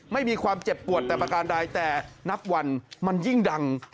ไม่มีความเจ็บปวดแต่ประการใดแต่นับวันมันยิ่งดัง